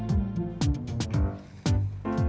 udah aku kasih mama